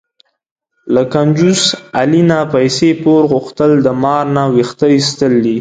له کنجوس علي نه پیسې پور غوښتل، د مار نه وېښته ایستل دي.